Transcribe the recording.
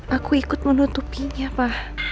aku ikut menutupinya pa